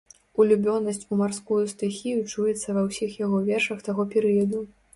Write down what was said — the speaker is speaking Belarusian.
Улюбёнасць у марскую стыхію чуецца ва ўсіх яго вершах таго перыяду.